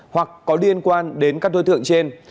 hoặc có liên quan đến các đối tượng trên